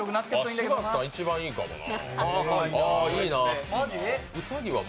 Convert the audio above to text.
柴田さん一番いいかもな。